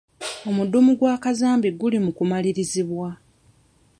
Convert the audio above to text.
Omudumu gwa kazambi guli mu kumalirizibwa.